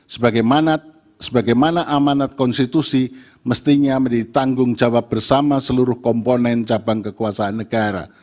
sebagaimana amanat konstitusi mestinya menjadi tanggung jawab bersama seluruh komponen cabang kekuasaan negara